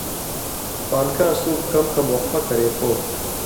پالکاں سُوپ کم کم وقفہ کرے پو